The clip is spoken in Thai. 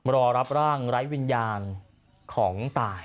รอรับร่างไร้วิญญาณของตาย